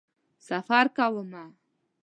سفر کومه